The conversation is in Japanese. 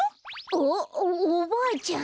あっおばあちゃん！